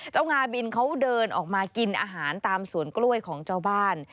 งาบินเขาเดินออกมากินอาหารตามสวนกล้วยของเจ้าบ้าน